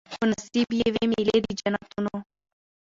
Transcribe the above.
په نصیب یې وي مېلې د جنتونو